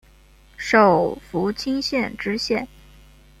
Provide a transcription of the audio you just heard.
授福清县知县。